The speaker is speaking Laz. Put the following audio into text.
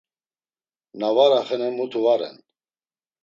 Na var axenen mutu va ren.